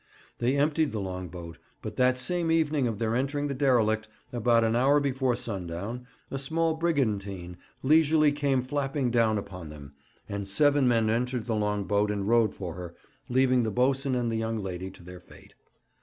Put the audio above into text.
They emptied the long boat; but that same evening of their entering the derelict, about an hour before sundown, a small brigantine leisurely came flapping down upon them, and seven men entered the long boat and rowed for her, leaving the boatswain and the young lady to their fate.